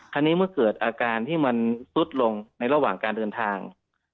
เมื่อเกิดอาการที่มันซุดลงในระหว่างการเดินทาง